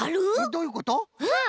どういうこと？